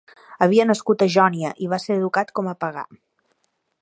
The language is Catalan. Havia nascut a Jònia i va ser educat com a pagà.